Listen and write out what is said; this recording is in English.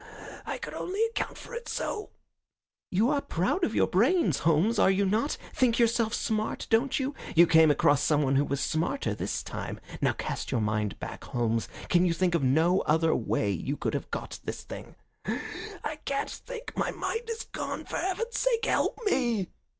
"I could only account for it so." "You are proud of your brains, Holmes, are you not? Think yourself smart, don't you? You came across someone who was smarter this time. Now cast your mind back, Holmes. Can you think of no other way you could have got this thing?" "I can't think. My mind is gone. For heaven's sake help me!"